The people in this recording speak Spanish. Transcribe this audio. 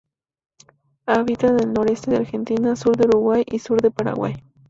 Habita en el noreste de Argentina, sur de Uruguay y sur de Paraguay.